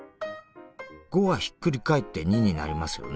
５はひっくり返って２になりますよね。